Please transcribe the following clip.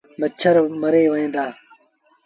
مڇر مري وهيݩ دآ۔